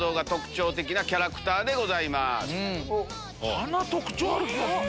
鼻特徴ある気がする。